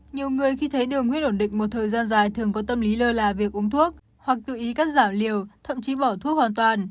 nhiều người khi thấy đường nguy ổn định một thời gian dài thường có tâm lý lơ là việc uống thuốc hoặc tự ý cắt giảm liều thậm chí bỏ thuốc hoàn toàn